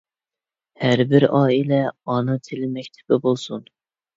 ھەر بىر ئائىلە ئانا تىل مەكتىپى بولسۇن!